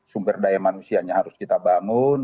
sumber daya manusianya harus kita bangun